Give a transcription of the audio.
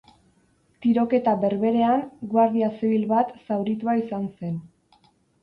Tiroketa berberean, guardia zibil bat zauritua izan zen.